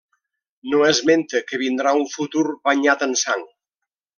No esmenta que vindrà un futur banyat en sang.